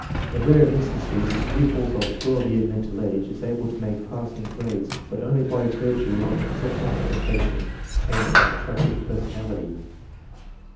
In rare instances the pupil of 12 year mental age is able to m J passing grades, but only by virtue of excep tional application and an attractive personality.